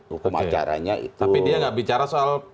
hukum acaranya itu tapi dia tidak bicara soal